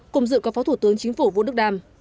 cùng dự có phó thủ tướng chính phủ vũ đức đam